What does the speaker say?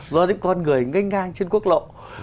do những con người nganh ngang trên quốc lộ